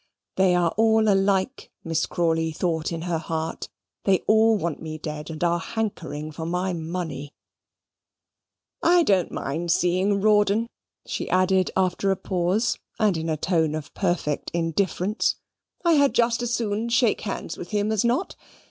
They are all alike, Miss Crawley thought in her heart. They all want me dead, and are hankering for my money. "I don't mind seeing Rawdon," she added, after a pause, and in a tone of perfect indifference. "I had just as soon shake hands with him as not.